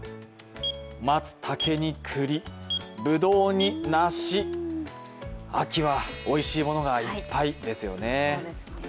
まつたけにくり、ぶどうに梨、秋はおいしいものがいっぱいですよね。